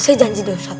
saya janji deh ustad